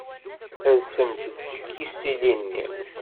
Rsemt-d seg yisili-nni.